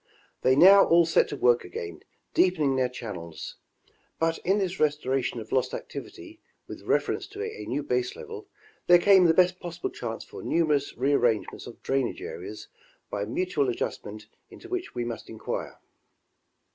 They now all set to work again deepening their channels. But in this restoration of lost activity with reference to a new base level there came the best possible chance for numerous re arrange ments of drainage areas by mutual adjustment into which we must inquire.